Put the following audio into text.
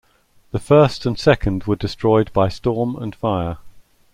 The first and second were destroyed by storm and fire.